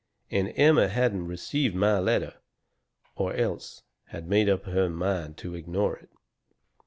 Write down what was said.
And Emma hadn't received my letter, or else had made up her mind to ignore it.